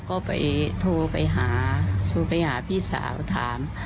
ก็ไปโทรไปหาโทรไปหาพี่สาวถาม